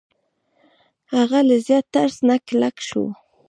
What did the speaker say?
هغه له زیات ترس نه کلک شو.